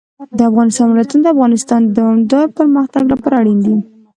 د افغانستان ولايتونه د افغانستان د دوامداره پرمختګ لپاره اړین دي.